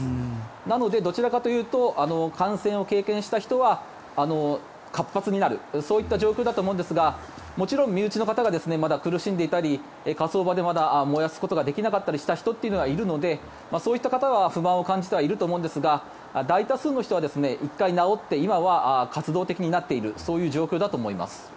なので、どちらかというと感染を経験した人は活発になる、そういった状況だと思うんですがもちろん身内の方がまだ苦しんでいたり火葬場でまだ燃やすことができなかったりした人がいるのでそういった人は不満を感じているとは思いますが大多数の人は１回治って今は活動的になっているそういう状況だと思います。